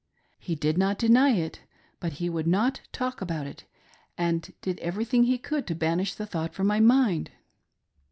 He did not deny it, but he would not talk about it, and did everything he could to banish the thought from my mind.